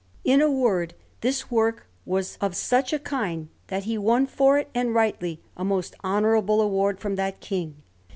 In a word, this work was of such a kind that he won for it, and rightly, a most honourable reward from that King.